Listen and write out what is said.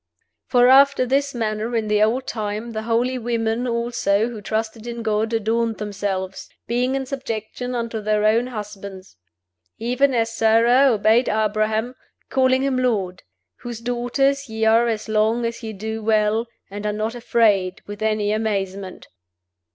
"FOR after this manner in the old time the holy women also who trusted in God adorned themselves, being in subjection unto their own husbands; even as Sarah obeyed Abraham, calling him lord; whose daughters ye are as long as ye do well, and are not afraid with any amazement."